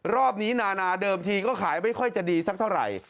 รอบนี้นานาเดิมทีก็ขายไม่ค่อยจะดีสักเท่าไหร่